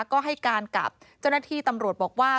ก็ให้การกับเจ้าหน้าที่ตำรวจบอกว่า